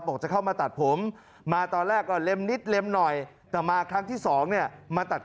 จะเข้ามาตัดผมมาตอนแรกก็เล็มนิดเล็มหน่อยแต่มาครั้งที่สองเนี่ยมาตัด